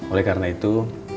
oleh karena itu